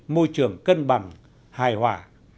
môi trường cân bằng hài hòa